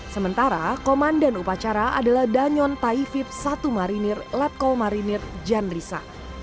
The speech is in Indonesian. sementara komandan upacara adalah danyon taifib satu marinir letkol marinir jan risa